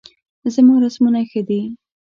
زما رسمونه ښه دي